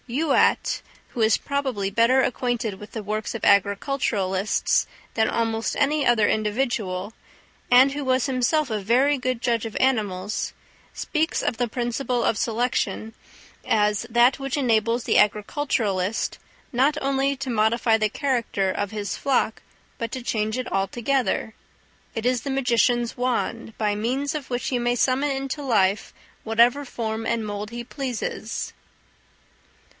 Youatt, who was probably better acquainted with the works of agriculturalists than almost any other individual, and who was himself a very good judge of animals, speaks of the principle of selection as "that which enables the agriculturist, not only to modify the character of his flock, but to change it altogether. It is the magician's wand, by means of which he may summon into life whatever form and mould he pleases."